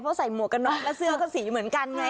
เพราะใส่หมวกกันน็อกแล้วเสื้อก็สีเหมือนกันไง